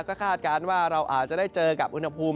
ก็คาดการณ์ว่าเราอาจจะได้เจอกับอุณหภูมิ